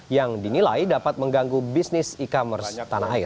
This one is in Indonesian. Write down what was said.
yang dinilai dapat mengganggu bisnis e commerce tanah air